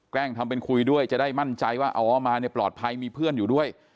ล้ำทำเป็นคุยด้วยจะได้มั่นใจว่าอ๋อมาเนี่ยปลอดภัยมีเพื่อนอยู่ด้วย